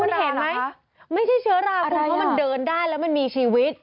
คุณเห็นไหมไม่ใช่เชื้อราคุณเพราะมันเดินได้แล้วมันมีชีวิต